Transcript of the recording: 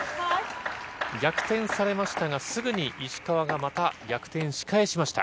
逆転されましたが、すぐに石川がまた逆転し返しました。